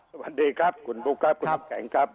สวัสดีครับคุณภูกรัฐคุณภูมิแข็งครับ